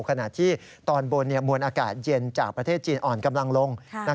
ขณะที่ตอนบนมวลอากาศเย็นจากประเทศจีนอ่อนกำลังลง